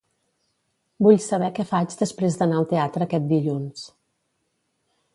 Vull saber què faig després d'anar al teatre aquest dilluns.